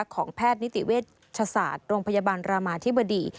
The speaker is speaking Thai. ของแพทย์นิติเวชศาสตร์โรงพยาบาลรามาธิบดี